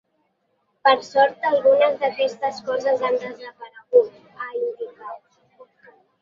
Per sort algunes d’aquestes coses han desaparegut, ha indicat.